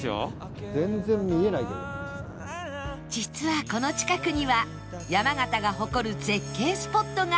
実はこの近くには山形が誇る絶景スポットが